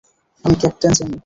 আমি ক্যাপ্টেন চেনি!